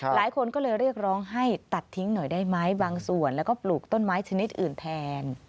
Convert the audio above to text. หลายคนก็เลยเรียกร้องให้ตัดทิ้งหน่อยได้ไหมบางส่วนแล้วก็ปลูกต้นไม้ชนิดอื่นแทน